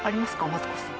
マツコさん